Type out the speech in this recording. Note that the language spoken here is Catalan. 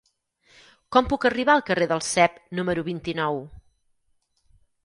Com puc arribar al carrer del Cep número vint-i-nou?